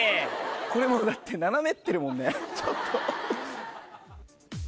これもうだって斜めってるもんねちょっと。